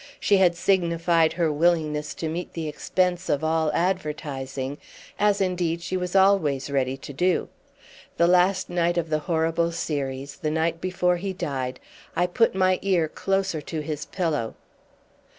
She had signified her willingness to meet the expense of all advertising, as indeed she was always ready to do. The last night of the horrible series, the night before he died, I put my ear closer to his pillow.